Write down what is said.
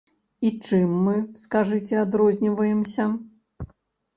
І чым мы, скажыце, адрозніваемся?